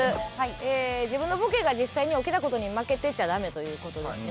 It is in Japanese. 自分のボケが実際に起きた事に負けてちゃダメという事ですね。